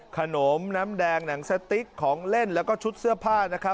ขนมน้ำแดงหนังสติ๊กของเล่นแล้วก็ชุดเสื้อผ้านะครับ